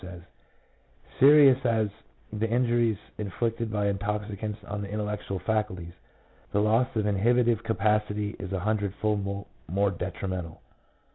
, says: — "Serious as are the injuries inflicted by intoxicants on the intellectual faculties, the loss of inhibitive capacity is a hundredfold more detrimental.